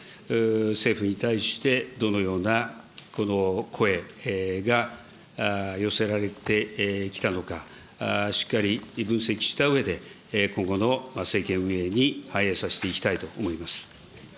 政府に対してどのような声が寄せられてきたのか、しっかり分析したうえで、今後の政権運営に反映させていきたいと思います。